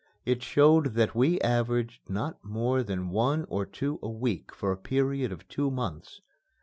It showed that we averaged not more than one or two a week for a period of two months.